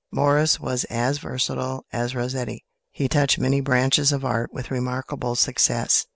Morris was as versatile as Rossetti. He touched many branches of Art with remarkable success.